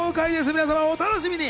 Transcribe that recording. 皆様、お楽しみに。